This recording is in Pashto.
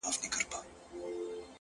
جانه راځه د بدن وينه مو په مينه پرېولو،